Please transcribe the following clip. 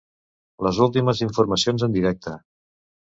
Les últimes informacions en directe.